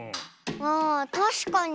あたしかに。